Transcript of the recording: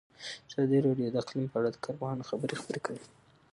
ازادي راډیو د اقلیم په اړه د کارپوهانو خبرې خپرې کړي.